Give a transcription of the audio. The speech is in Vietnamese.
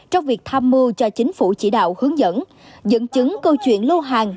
trong việc tham mưu cho chính phủ chỉ đạo hướng dẫn dẫn chứng câu chuyện lô hàng